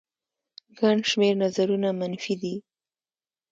ګڼ شمېر نظرونه منفي دي